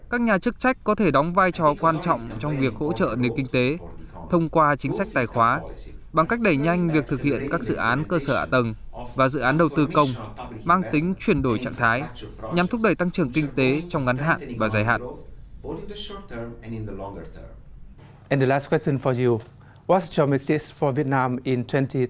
các nhà chức trách có thể đóng vai trò quan trọng trong việc hỗ trợ nền kinh tế thông qua chính sách tài khóa bằng cách đẩy nhanh việc thực hiện các dự án cơ sở ả tầng và dự án đầu tư công mang tính chuyển đổi trạng thái nhằm thúc đẩy tăng trưởng kinh tế trong ngắn hạn và dài hạn